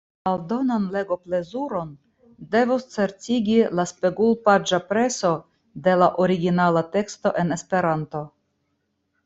Aldonan legoplezuron devus certigi la spegulpaĝa preso de la originala teksto en Esperanto.